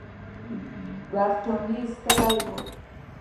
برټانیې ایستل وو.